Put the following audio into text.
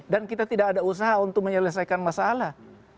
dan kita tidak ada usaha untuk menyelesaikan masalah